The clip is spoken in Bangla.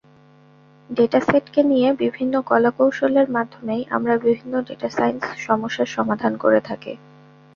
ডেটাসেটকে নিয়ে বিভিন্ন কলাকৌশলের মাধ্যমেই আমরা বিভিন্ন ডেটা সাইন্স সমস্যার সমাধান করে থাকে।